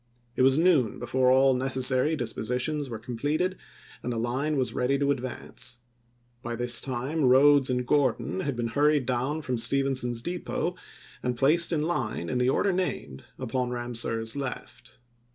It was noon before all necessary dispositions were completed and the line was ready to advance. By this time Rodes and Gordon had been hurried down from Stephenson's Depot, and placed in line, in the order named, upon Ramseur's left.